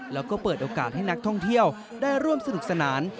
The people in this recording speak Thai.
แล้วก็เปิดโอกาสให้นักท่องเที่ยวได้ร่วมสนุกสนาน